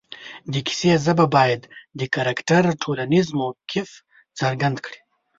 د کیسې ژبه باید د کرکټر ټولنیز موقف څرګند کړي